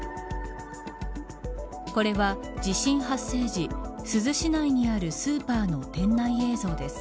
これは地震発生時珠洲市内にあるスーパーの店内映像です。